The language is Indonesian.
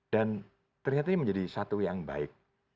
dan ternyata ini menjadi satu yang baik